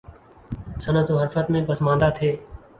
صنعت و حرفت میں پسماندہ تھے